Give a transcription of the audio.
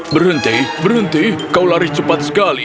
berhenti berhenti kau lari cepat sekali